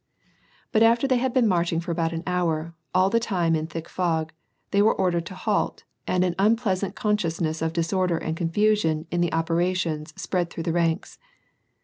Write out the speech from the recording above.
But after they bad been marching for about an hour, all the time in thick fog, they were ordered to halt, and an unpleasant consciousness of disorder and confusion in the operations spread through the ranks.